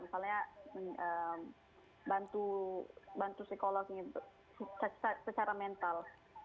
misalnya bantu psikologi secara mental